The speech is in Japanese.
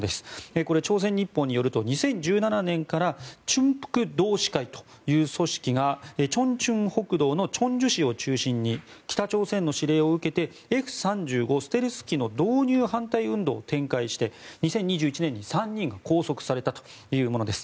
これは朝鮮日報によると２０１７年から忠北同志会という組織が忠清北道清州市を中心に北朝鮮の指令を受けてＦ３５ステルス機の導入反対運動を展開して２０２１年に３人が拘束されたというものです。